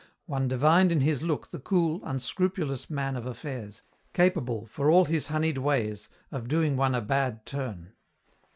One divined in his look the cool, unscrupulous man of affairs, capable, for all his honeyed ways, of doing one a bad turn.